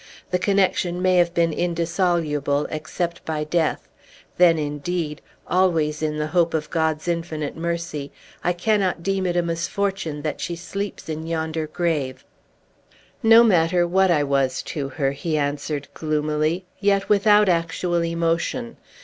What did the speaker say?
The connection may have been indissoluble, except by death. Then, indeed, always in the hope of God's infinite mercy, I cannot deem it a misfortune that she sleeps in yonder grave!" "No matter what I was to her," he answered gloomily, yet without actual emotion.